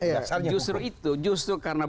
dasar justru itu justru karena